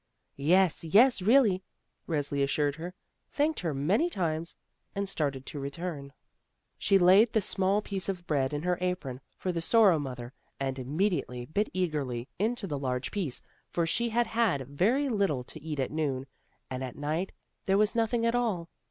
"Yes, yes, really," Resli assured her, thanked her many times, and started to return. She laid 26 THE ROSE CHILD the small piece of bread in her apron for the Sorrow mother, and immediately bit eagerly into the larger piece, for she had had very little to eat at noon, and at night there was nothing at all.